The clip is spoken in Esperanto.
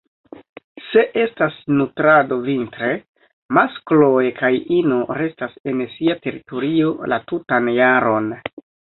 Se estas nutrado vintre, maskloj kaj ino restas en sia teritorio la tutan jaron.